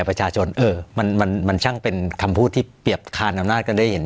ประชาชนเออมันมันช่างเป็นคำพูดที่เปรียบคานอำนาจกันได้เห็น